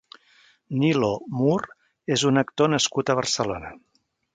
Nilo Mur és un actor nascut a Barcelona.